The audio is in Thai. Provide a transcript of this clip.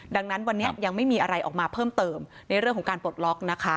ดังนั้นวันนี้ยังไม่มีอะไรออกมาเพิ่มเติมในเรื่องของการปลดล็อกนะคะ